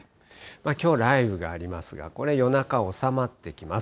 きょう雷雨がありますが、これ、夜中、収まってきます。